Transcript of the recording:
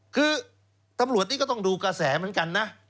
คือตำรวจนี่ก็ต้องดูกระแสเหมือนกันนะ